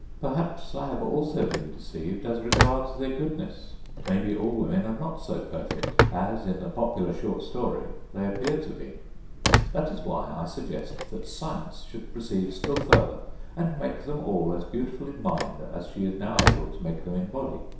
Perhaps I have also been deceived as regards their goodness. Maybe all women are not so perfect as in the popular short story they appear to be. That is why I suggest that Science should proceed still further, and make them all as beautiful in mind as she is now able to make them in body.